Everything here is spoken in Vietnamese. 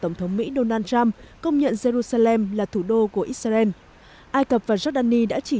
tổng thống mỹ donald trump công nhận jerusalem là thủ đô của israel ai cập và giordani đã chỉ